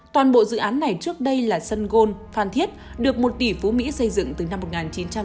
toàn bộ dự án này trước đây là sân gôn phan thiết được một tỷ phú mỹ xây dựng từ năm một nghìn chín trăm chín mươi